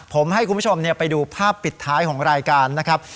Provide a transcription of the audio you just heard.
ผมให้คุณผู้ชมไปดูภาพปิดท้ายของรายการนะครับ